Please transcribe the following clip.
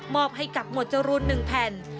มอบให้กับหมวดจรูนหนึ่งแผ่น